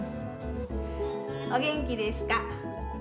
お元気ですか。